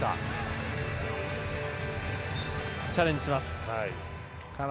チャレンジしますね。